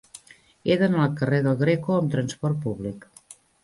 He d'anar al carrer del Greco amb trasport públic.